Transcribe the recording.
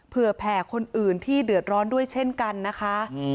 แผ่คนอื่นที่เดือดร้อนด้วยเช่นกันนะคะ